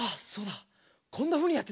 こんなふうにやってたな。